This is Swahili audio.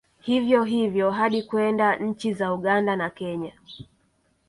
Hivyo hivyo hadi kwenda nchi za Uganda na Kenya